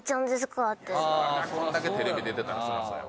こんだけテレビ出てたらそうやわ。